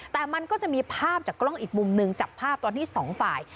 แต่มันก็จะมีภาพจากกล้องอีกมุมหนึ่งจับภาพตอนที่สองฝ่าย